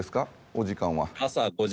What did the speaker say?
お時間は。